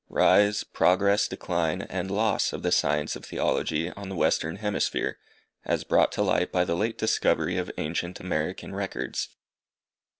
RISE, PROGRESS, DECLINE, AND LOSS OF THE SCIENCE OF THEOLOGY ON THE WESTERN HEMISPHERE, AS BROUGHT TO LIGHT BY THE LATE DISCOVERY OF ANCIENT AMERICAN RECORDS.